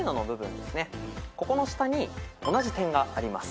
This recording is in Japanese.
ここの下に同じ点があります。